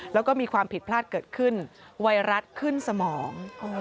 แล้วก็มีความผิดพลาดเกิดขึ้นไวรัสขึ้นสมอง